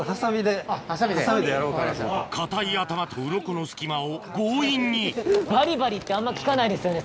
硬い頭と鱗の隙間を強引にバリバリってあんま聞かないですよね